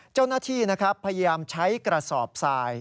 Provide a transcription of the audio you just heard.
เจ้าหน้าที่นะครับพยายามใช้กระสอบทราย